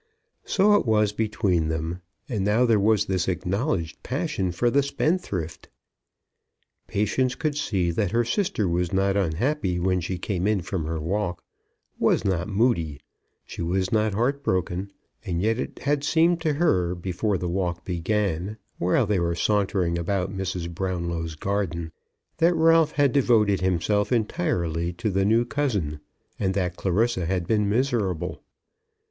So it was between them, and now there was this acknowledged passion for the spendthrift! Patience could see that her sister was not unhappy when she came in from her walk, was not moody, was not heart broken. And yet it had seemed to her, before the walk began, while they were sauntering about Mrs. Brownlow's garden, that Ralph had devoted himself entirely to the new cousin, and that Clarissa had been miserable.